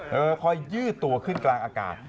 แล้วก็ค่อยยืดตัวขึ้นกลางอากาศ